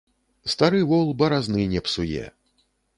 Стары вол баразны не псуе.